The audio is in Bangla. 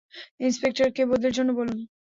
ইন্সপেক্টর কে বদলির জন্য বলুন।